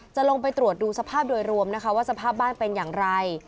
จะลงไปตรวจดูสภาพโดยรวมนะคะว่าสภาพบ้านเป็นอย่างไร